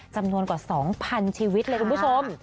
จำนวนกว่า๒๐๐๐ชีวิตเลยคุณผู้ชม